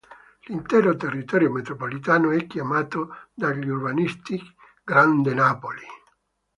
L'intero territorio metropolitano, è chiamato dagli urbanisti "Grande Napoli".